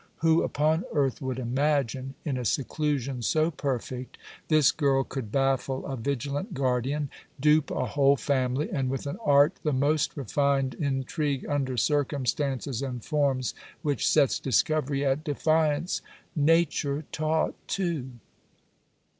Who upon earth would imagine, in a seclusion so perfect, this girl could baffle a vigilant guardian, dupe a whole family, and with an art the most refined intrigue under circumstances and forms which sets discovery at defiance? Nature taught too!